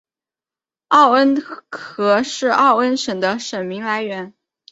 奥恩河是奥恩省的省名来源。